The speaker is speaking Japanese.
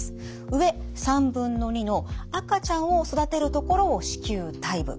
上３分の２の赤ちゃんを育てる所を子宮体部。